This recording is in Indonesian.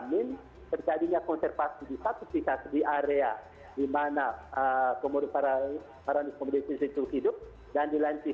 menjadikan konservasi satu sisi di area dimana komodo para komodesis itu hidup dan di lantai